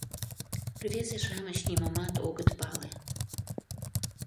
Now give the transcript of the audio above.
Рвезе-шамыч нимомат огыт пале...